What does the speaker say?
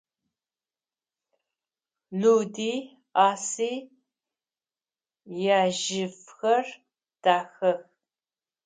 Люди Аси яжьыфхэр дахэх.